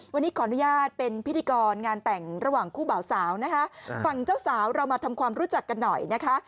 วันนี้ขออนุญาตเป็นพิธีกรงานแต่งระหว่างคู่บ่าวสาวนะคะฝั่งเจ้าสาวเรามาทำความรู้จักกันหน่อยนะคะ